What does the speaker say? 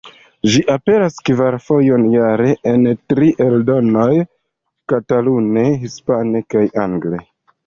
Ĝi aperas kvar fojon jare en tri eldonoj: katalune, hispane kaj angle.